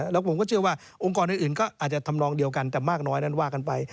แล้วผมก็เชื่อว่าองค์กรอื่นก็อาจจะทำนองเดียวกันแต่มากน้อยนั้นว่ากันไป